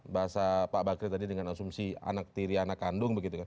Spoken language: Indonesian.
bahasa pak bakri tadi dengan asumsi anak tiri anak kandung begitu kan